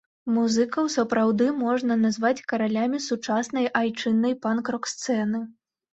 Музыкаў сапраўдны можна назваць каралямі сучаснай айчыннай панк-рок сцэны.